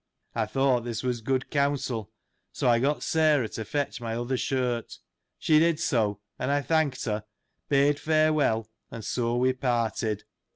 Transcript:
I thought this ■rfas good counsel, so, I got Sarah to fetch my other shirt. She did so, and I thanked her, bade farewell, and so we parted.